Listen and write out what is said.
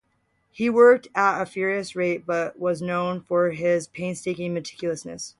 He worked at a furious rate but was known for his painstaking meticulousness.